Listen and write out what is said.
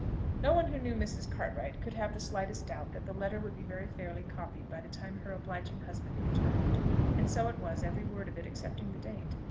No one who knew Mrs. Cartwright could have the slightest doubt that the letter would be very fairly copied by the time her obliging husband returned: and so it was every word of it excepting the date.